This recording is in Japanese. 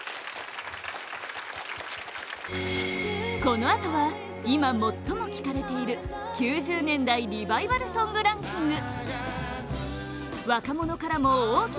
このあとは今、最も聴かれている９０年代リバイバルソングランキング